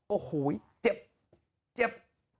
โอ้โหเจ็บเจ็บ